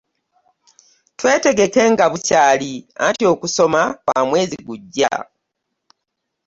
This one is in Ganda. Twetegeke nga bukyali anti okusoma kwa mwezi gujja.